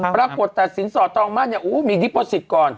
พระบุตรแต่สินสอดทองมามีดิโปสิตก่อน